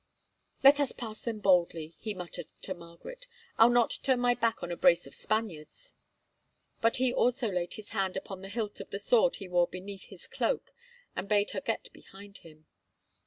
"Let us pass them boldly," he muttered to Margaret; "I'll not turn my back on a brace of Spaniards," but he also laid his hand upon the hilt of the sword he wore beneath his cloak, and bade her get behind him.